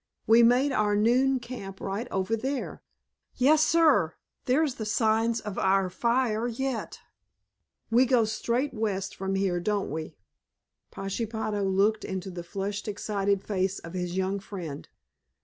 We made our noon camp right over there! Yes, sir, there's the signs of our fire yet! We go straight west from here, don't we?" Pashepaho looked into the flushed, excited face of his young friend.